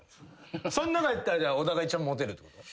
その中やったら小田が一番モテるってこと？